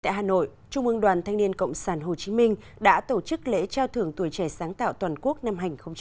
tại hà nội trung ương đoàn thanh niên cộng sản hồ chí minh đã tổ chức lễ trao thưởng tuổi trẻ sáng tạo toàn quốc năm hai nghìn hai mươi